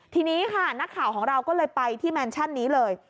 ทีนี้ค่ะนักข่าวของเราก็เลยไปที่แมนชั่นนี้เลย